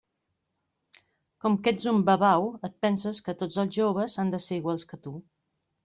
Com que ets un babau, et penses que tots els joves han de ser iguals que tu.